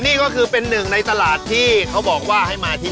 มีความสุขที่เห็นพระตาพ่อค้าแม่ค้าเนี่ย